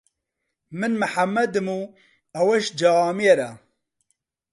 من محەممەدم و ئەوەش جوامێرە.